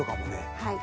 はい。